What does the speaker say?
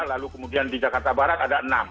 lalu kemudian di jakarta barat ada enam